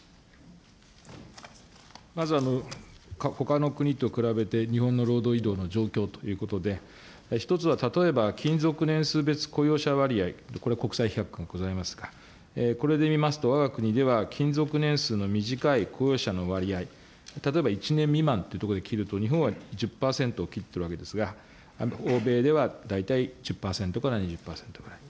まずほかの国と比べて日本の労働移動の状況ということで、１つは、例えば勤続年数別雇用者割合、これは国際比較ございますが、これで見ますと、わが国では勤続年数の短い雇用者の割合、例えば１年未満というところで切ると、日本は１０％を切ってるわけですが、欧米では大体１０％から２０％ぐらい。